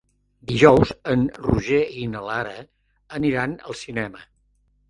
Dijous en Roger i na Lara aniran al cinema.